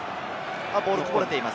ボールがこぼれています。